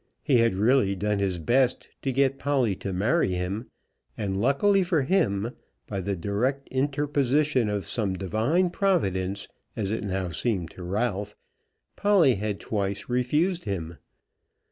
He had really done his best to get Polly to marry him, and, luckily for him, by the direct interposition of some divine Providence, as it now seemed to Ralph, Polly had twice refused him.